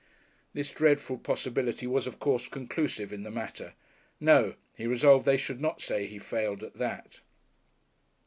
This dreadful possibility was of course conclusive in the matter. "No," he resolved they should not say he failed at that.